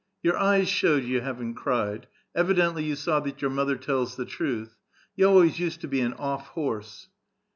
Your eyes show you haven't cried. Evidently you saw that your mother tells the truth. You always used to be an off horse."